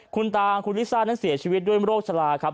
คุณตาคุณลิซ่านั้นเสียชีวิตด้วยโรคชะลาครับ